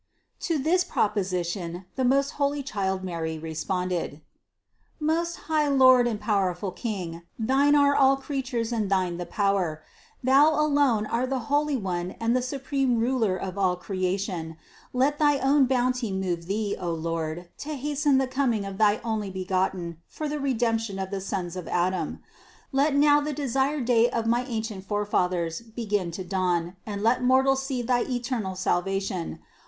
392. To this proposition the most holy child Mary responded: "Most high Lord and powerful King, thine are all creatures and thine the power; Thou alone are the holy One and the supreme Ruler of all creation : let thy own bounty move Thee, O Lord, to hasten the coming of thy Onlybegotten for the Redemption of the sons of Adam. Let now the desired day of my ancient Forefathers begin to dawn and let mortals see thy eter nal salvation.